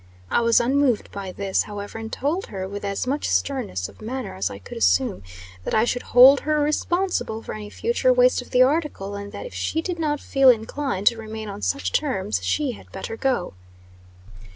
I was unmoved by this, however; and told her, with as much sternness of manner as I could assume, that I should hold her responsible for any future waste of the article; and that if she did not feel inclined to remain on such terms, she had better go.